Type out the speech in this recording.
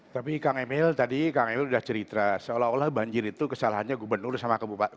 tapi kang emil tadi kang emil sudah cerita seolah olah banjir itu kesalahannya gubernur sama